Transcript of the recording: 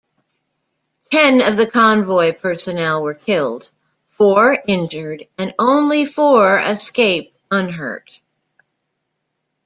Ten of the convoy personnel were killed, four injured and only four escaped unhurt.